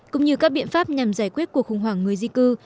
cũng như các biện pháp nhằm giải quyết cuộc khủng hoảng người di cư